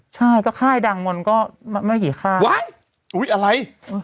อืมก็ค่ายดังบนก็ไม่เบียกการ์คว่ะอุ้ยอะไร